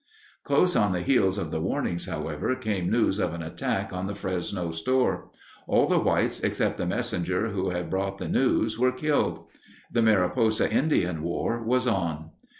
Close on the heels of the warnings, however, came news of an attack on the Fresno store. All the whites except the messenger who had brought the news were killed. The Mariposa Indian War was on.